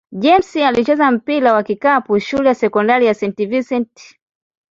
James alicheza mpira wa kikapu shule ya sekondari St. Vincent-St.